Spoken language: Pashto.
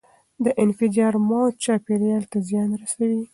د انفجار موج چاپیریال ته زیان رسوي.